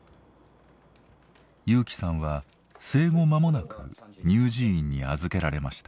裕樹さんは生後間もなく乳児院に預けられました。